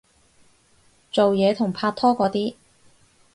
做嘢同拍拖嗰啲